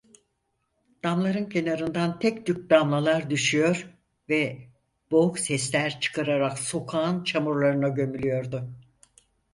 Damların kenarından tek tük damlalar düşüyor ve boğuk sesler çıkararak sokağın çamurlarına gömülüyordu.